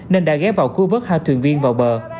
nên đã ghé vào cư vớt hai thuyền viên vào bờ